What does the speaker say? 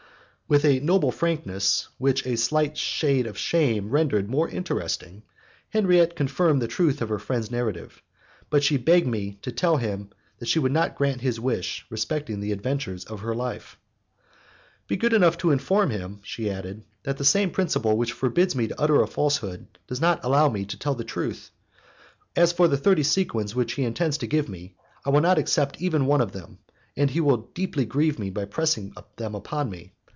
With a noble frankness which a slight shade of shame rendered more interesting, Henriette confirmed the truth of her friend's narrative, but she begged me to tell him that she could not grant his wish respecting the adventures of her life. "Be good enough to inform him," she added, "that the same principle which forbids me to utter a falsehood, does not allow me to tell the truth. As for the thirty sequins which he intends to give me, I will not accept even one of them, and he would deeply grieve me by pressing them upon me.